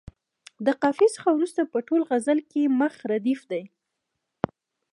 د قافیې څخه وروسته په ټول غزل کې مخ ردیف دی.